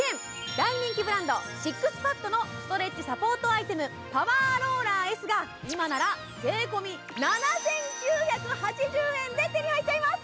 大人気ブランド、ＳＩＸＰＡＤのストレッチサポートアイテム、パワーローラーＳが今なら税込み７９８０円で手に入っちゃいます。